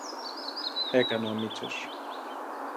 έκανε ο Μήτσος